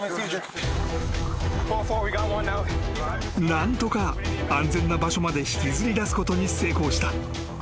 ［何とか安全な場所まで引きずり出すことに成功した］